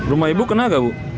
rumah ibu kena gak bu